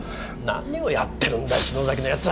何をやってるんだ篠崎の奴は！